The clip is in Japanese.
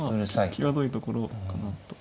際どいところかなと。